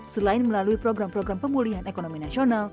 selain melalui program program pemulihan ekonomi nasional